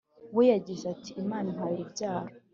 we yagize ati Imana impaye urubyaro